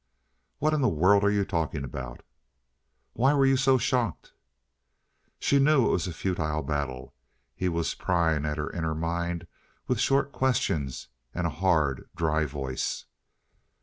"What in the world are you talking about?" "Why were you so shocked?" She knew it was a futile battle. He was prying at her inner mind with short questions and a hard, dry voice.